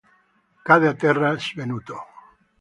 Cade a terra svenuto.